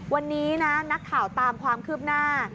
วันนี้นะนักข่าวตามความคืบหน้า